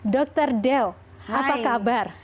dr dew apa kabar